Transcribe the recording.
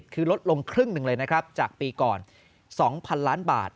คือลดลงครึ่งหนึ่งเลยนะครับจากปีก่อน๒๐๐๐ล้านบาท